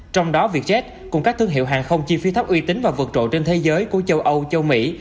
trong đó vietjet cùng các thương hiệu hàng không chi phí thấp uy tín và vượt trộn trên thế giới của châu âu châu mỹ